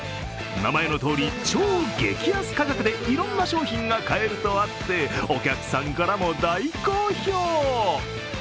名前のとおり、超激安価格でいろんな商品が買えるとあってお客さんからも大好評。